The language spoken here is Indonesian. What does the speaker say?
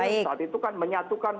saat itu kan menyatukan kekuatan